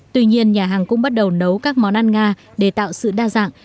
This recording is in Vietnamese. tuy nhiên nhà hàng cũng bắt đầu nấu các món ăn nga để tạo sự đa dạng